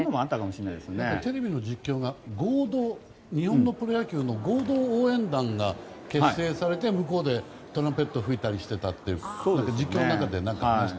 テレビの実況が日本のプロ野球の合同応援団が結成されて向こうでトランペット吹いたりしてたって実況の中で言っていました。